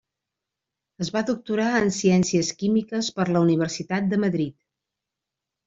Es va doctorar en Ciències Químiques per la Universitat de Madrid.